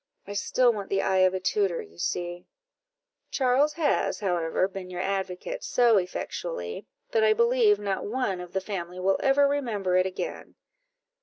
I still want the eye of a tutor, you see." "Charles has, however, been your advocate so effectually, that I believe not one of the family will ever remember it again."